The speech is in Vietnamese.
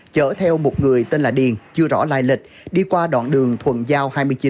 chở theo một người tên là điền chưa rõ lai lịch đi qua đoạn đường thuận giao hai mươi chín